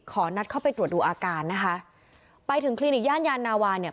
ขอนัดเข้าไปตรวจดูอาการนะคะไปถึงคลินิกย่านยานนาวาเนี่ย